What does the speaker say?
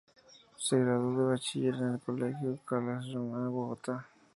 Se graduó de Bachiller en el Colegio Calasanz Bogotá.